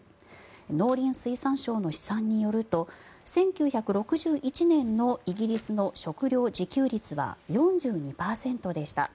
農林水産省の試算によると１９６１年のイギリスの食料自給率は４２％でした。